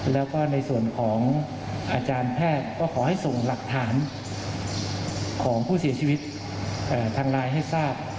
แล้วก็ในส่วนของอาจารย์แพทย์ก็ขอให้ส่งหลักฐานของผู้เสียชีวิตทางไลน์ให้ทราบ